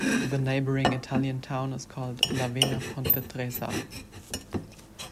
The neighboring Italian town is called Lavena Ponte Tresa.